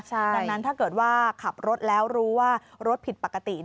ดังนั้นถ้าเกิดว่าขับรถแล้วรู้ว่ารถผิดปกติ